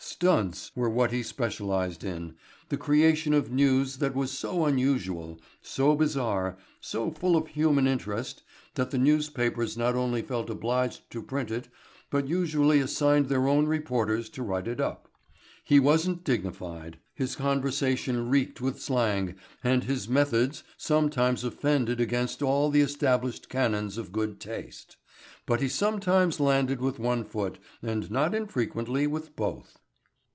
"Stunts" were what he specialized in, the creation of news that was so unusual, so bizarre, so full of human interest that the newspapers not only felt obliged to print it, but usually assigned their own reporters to write it up. He wasn't dignified; his conversation reeked with slang and his methods sometimes offended against all the established canons of good taste, but he sometimes landed with one foot and not infrequently with both.